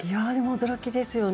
驚きですよね。